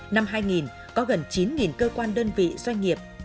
năm hai nghìn có gần chín cơ quan đơn vị doanh nghiệp